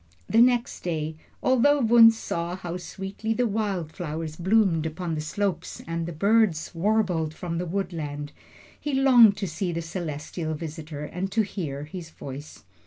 The next day, although Wunzh saw how sweetly the wild flowers bloomed upon the slopes and the birds warbled from the woodland, he longed to see the celestial visitor and to hear his voice.